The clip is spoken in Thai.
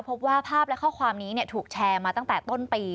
พบว่าภาพและข้อความนี้ถูกแชร์มาตั้งแต่ต้นปี